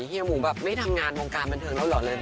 เฮียหมู่แบบไม่ทำงานมงการบรรเทิงเร็วเลย